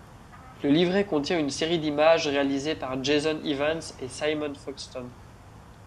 Le livret contient une série d'images réalisées par Jason Evans et Simon Foxton.